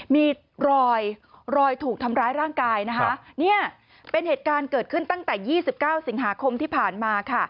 มีรอยรอยถูกทำร้ายร่างกายนะคะเนี่ยเป็นเหตุการณ์เกิดขึ้นตั้งแต่๒๙สิงหาคมที่ผ่านมาค่ะ